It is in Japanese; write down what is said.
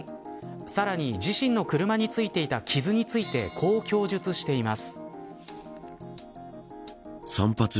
さらに自身の車についていた傷についてこう供述しています。